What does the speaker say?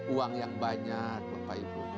uang yang banyak bapak ibu